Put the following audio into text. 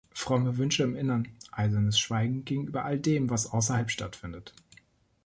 Fromme Wünsche im Innern, eisernes Schweigen gegenüber alldem, was außerhalb stattfindet.